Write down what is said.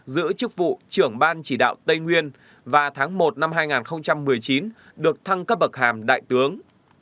giữ chức vụ trưởng ban chỉ đạo tây nguyên và tháng một năm hai nghìn một mươi chín được thăng cấp bậc hàm đại tướng